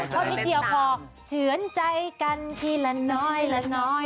สอนนิดเดียวพอเฉื่อนใจกันทีละน้อย